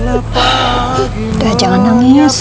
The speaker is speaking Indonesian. udah jangan nangis